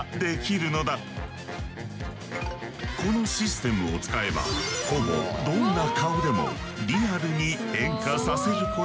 このシステムを使えばほぼどんな顔でもリアルに変化させることができる。